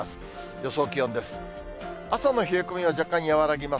予想気温です。